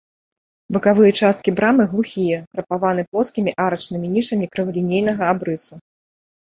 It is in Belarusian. Бакавыя часткі брамы глухія, крапаваны плоскімі арачнымі нішамі крывалінейнага абрысу.